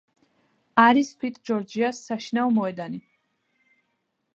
არის „ვიტ ჯორჯიას“ საშინაო მოედანი.